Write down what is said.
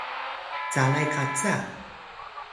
calay qaca